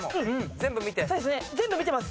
全部見てます。